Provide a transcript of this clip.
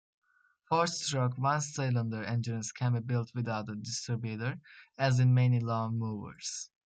Four-stroke one-cylinder engines can be built without a distributor, as in many lawn mowers.